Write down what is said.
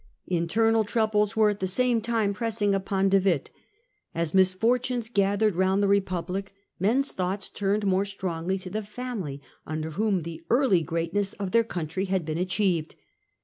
Internal troubles were at the same time pressing upon De Witt. As misfortunes collected round the Republic, Difficulties men's thoughts turned more strongly to the iTm Orange ^ am ^y un der whom the early greatness of their faction. country had been achieved.